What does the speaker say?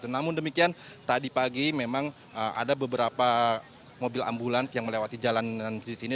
namun demikian tadi pagi memang ada beberapa mobil ambulans yang melewati jalan di sini